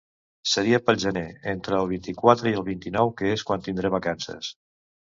Seria pel gener, entre el vint-i-quatre i el vint-i-nou que és quan tindré vacances.